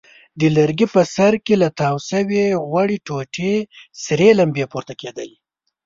د لرګي په سر کې له تاو شوې غوړې ټوټې سرې لمبې پورته کېدلې.